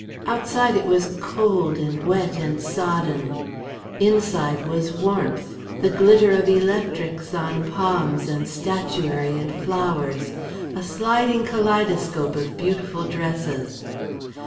Outside it was cold and wet and sodden, inside was warmth, the glitter of electrics on palms and statuary and flowers, a sliding kaleidoscope of beautiful dresses.